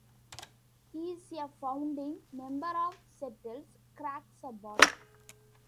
He is a founding member of Seattle's Crack Sabbath.